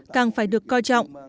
càng phải được coi trọng